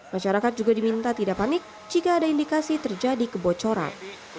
masyarakat juga diminta tidak panik jika ada indikasi terjadi kebocoran